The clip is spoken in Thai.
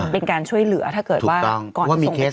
เป็นการช่วยเหลือถ้าเกิดว่าก่อนที่ส่งไปที่โรงพยาบาล